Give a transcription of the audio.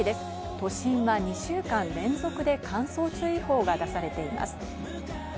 都心は２週間連続で乾燥注意報が出されています。